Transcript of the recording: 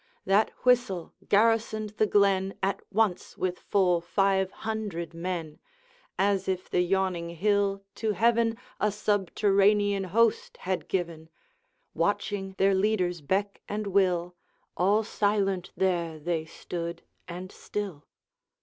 That whistle garrisoned the glen At once with full five hundred men, As if the yawning hill to heaven A subterranean host had given. Watching their leader's beck and will, All silent there they stood and still.